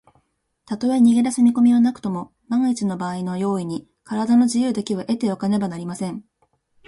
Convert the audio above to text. たとえ逃げだす見こみはなくとも、まんいちのばあいの用意に、からだの自由だけは得ておかねばなりません。